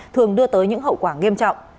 thường đưa tới những hậu quả nghiêm trọng